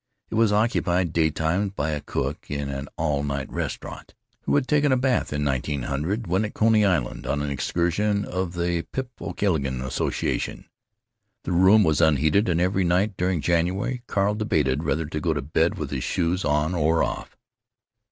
It was occupied daytimes by a cook in an all night restaurant, who had taken a bath in 1900 when at Coney Island on an excursion of the Pip O'Gilligan Association. The room was unheated, and every night during January Carl debated whether to go to bed with his shoes on or off.